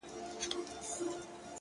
څه مي ارام پرېږده ته،